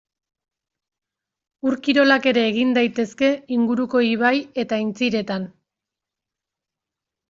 Ur kirolak ere egin daitezke inguruko ibai eta aintziretan.